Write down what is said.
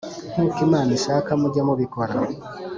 nk uko Imana ishaka mujye mubikora